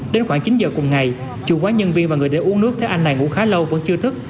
đến khoảng chín giờ cùng ngày chủ quán nhân viên và người để uống nước thấy anh này ngủ khá lâu vẫn chưa thức